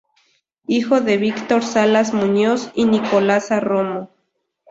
Hijo de Víctor Salas Muñoz y Nicolasa Romo.